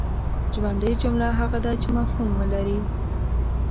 ژوندۍ جمله هغه ده چي مفهوم ولري.